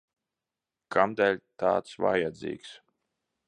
Kamdēļ tāds vajadzīgs?